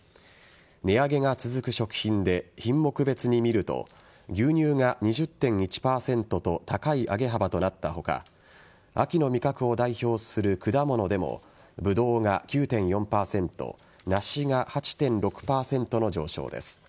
値上げが続く食品で品目別に見ると牛乳が２０．１％と高い上げ幅となった他秋の味覚を代表する果物でもぶどうが９．４％梨が８．６％の上昇です。